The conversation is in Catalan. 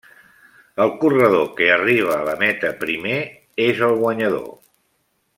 El corredor que arriba a la meta primer és el guanyador.